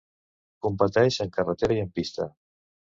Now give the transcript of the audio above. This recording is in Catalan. Competeix en carretera i en pista.